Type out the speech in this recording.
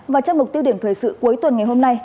và trong mục tiêu điểm thời sự cuối tuần ngày hôm nay